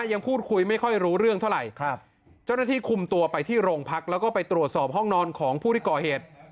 ยังพูดคุยไม่ค่อยรู้เรื่องเท่าไหร่ครับเจ้าหน้าที่คุมตัวไปที่โรงพักแล้วก็ไปตรวจสอบห้องนอนของผู้ที่ก่อเหตุ